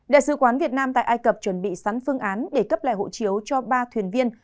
đại sứ quán việt nam tại ai cập chuẩn bị sẵn phương án để cấp lại hộ chiếu cho ba thuyền viên